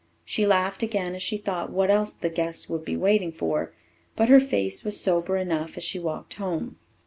She laughed again as she thought what else the guests would be waiting for. But her face was sober enough as she walked home.